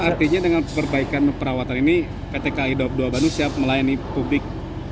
artinya dengan perbaikan perawatan ini pt kai daup dua bandung siap melayani publik